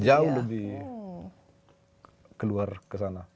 jauh lebih keluar ke sana